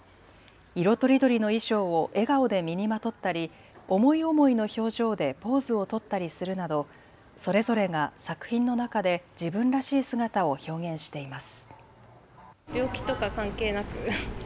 色とりどりの衣装を笑顔で身にまとったり思い思いの表情でポーズを取ったりするなどそれぞれが作品の中で自分らしい姿を表現しています。